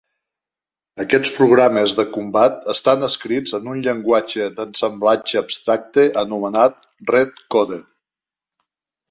Aquests programes de combat estan escrits en un llenguatge d'ensamblatge abstracte anomenat "Redcode".